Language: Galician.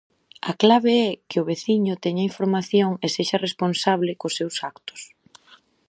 A clave é que o veciño teña información e sexa responsable cos seus actos.